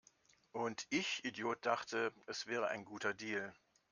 Und ich Idiot dachte, es wäre ein guter Deal!